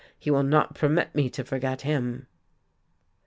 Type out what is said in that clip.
He will not permit me to forget him."